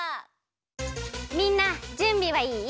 みんなじゅんびはいい？